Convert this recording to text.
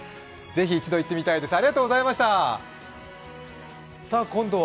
ぜひ、一度行ってみたいです